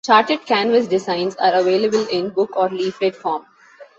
Charted Canvas designs are available in book or leaflet form.